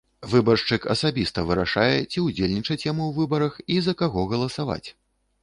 Выбаршчык асабіста вырашае, ці ўдзельнічаць яму ў выбарах і за каго галасаваць.